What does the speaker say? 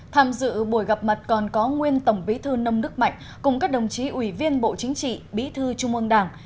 tham dự buổi gặp mặt còn có nguyên tổng bí thư nông đức mạnh cùng các đồng chí ủy viên bộ chính trị bí thư trung ương đảng